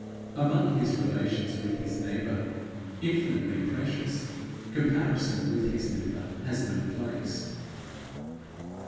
Among his relations with his neighbour, infinitely precious, comparison with his neighbour has no place.